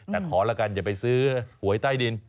แต่ขอละกันอย่าไปซื้อหวยใต้ดิน